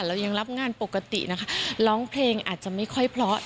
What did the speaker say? เรายังรับงานปกตินะคะร้องเพลงอาจจะไม่ค่อยเพราะ